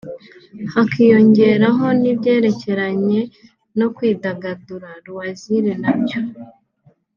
hakiyongeraho n’ibyerekeranye no kwidagadura (loisirs/ leisure) nabyo